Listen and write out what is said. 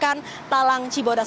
dan di talang cibodas